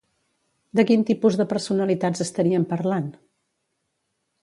De quin tipus de personalitats estaríem parlant?